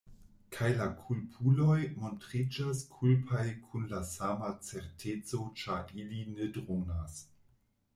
Kaj la kulpuloj montriĝas kulpaj kun la sama certeco ĉar ili ne dronas.